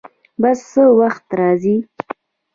بس څه وخت راځي؟